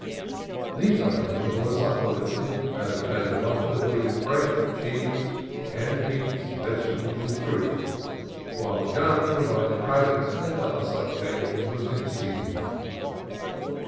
These items were supplemented as occasion offered with bread, cheese, canned meats, vegetables, and fruit, while the gun provided rabbits and such other game as was in season.